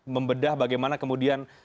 membedah bagaimana kemudian